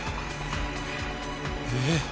えっ！？